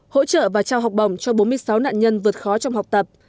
hỗ trợ và trao học bổng cho bốn mươi sáu nạn nhân vượt khó trong học tập